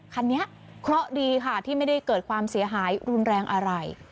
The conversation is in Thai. เคราะห์ดีค่ะที่ไม่ได้เกิดความเสียหายรุนแรงอะไร